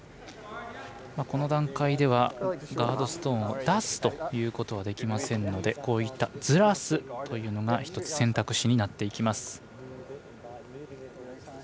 この段階ではガードストーンを出すということはできませんのでこういったずらすというのが１つ選択肢になっていきます。